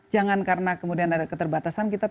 jangan karena kemudian ada keterbatasan kita